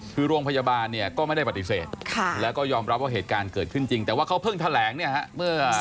คือโรงพยาบาลเนี่ยก็ไม่ได้ปฏิเสธแล้วก็ยอมรับว่าเหตุการณ์เกิดขึ้นจริงแต่ว่าเขาเพิ่งแถลงเนี่ยฮะเมื่อ